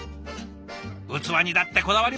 器にだってこだわります。